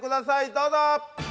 どうぞ！